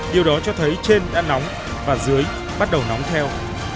điều đó cho thấy trên đã nóng và dưới bắt đầu nóng theo